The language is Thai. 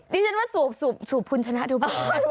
นี่ฉันว่าสูบสูบสูบพรุณชนะดูป่าว